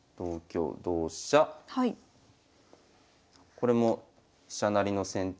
これも飛車成りの先手